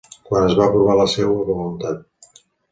Quan es va provar la seva voluntat.